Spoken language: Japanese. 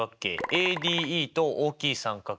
ＡＤＥと大きい三角形